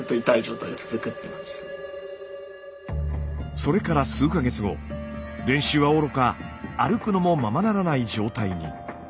それから数か月後練習はおろか歩くのもままならない状態に。